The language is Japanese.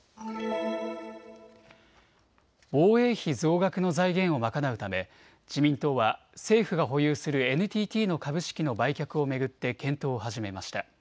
防衛費増額の財源を賄うため自民党は政府が保有するＮＴＴの株式の売却を巡って検討を始めました。